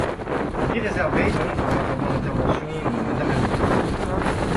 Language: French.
Avis réservé, donc, en attendant l’intervention de Madame la ministre.